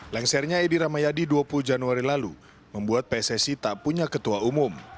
lengsernya edi ramayadi dua puluh januari lalu membuat pssi tak punya ketua umum